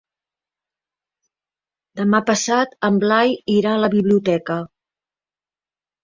Demà passat en Blai irà a la biblioteca.